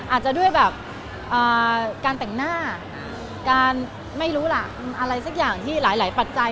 อาจจะด้วยแบบการแต่งหน้าการไม่รู้ล่ะอะไรสักอย่างที่หลายปัจจัย